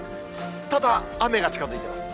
ただ、雨が近づいてます。